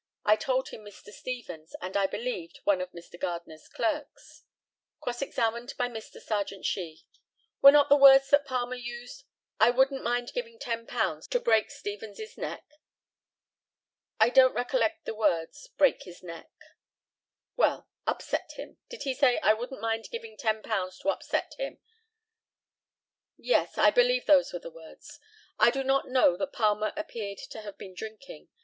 I told him Mr. Stevens, and, I believed, one of Mr. Gardner's clerks. Cross examined by Mr. Serjeant SHEE: Were not the words that Palmer used, "I wouldn't mind giving £10 to break Stevens's neck." I don't recollect the words "break his neck." Well, "upset him." Did he say, "I wouldn't mind giving £10 to upset him?" Yes; I believe those were the words. I do not know that Palmer appeared to have been drinking.